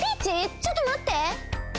ちょっとまって！